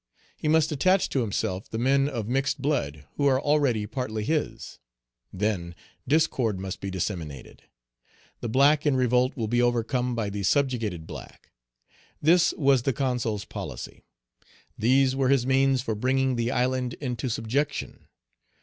He must attach to himself the men of mixed blood, who are already partly his. Then discord must be disseminated. The black in revolt will be overcome by the subjugated black. This was the Consul's policy. These were his means for bringing the island into subjection.